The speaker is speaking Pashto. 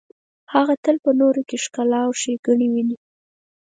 هغه تل په نورو کې ښکلا او ښیګڼې ویني.